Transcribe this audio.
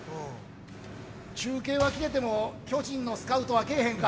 ◆中継は来てても巨人のスカウトは来えへんかあ。